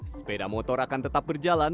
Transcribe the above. sepeda motor akan tetap berjalan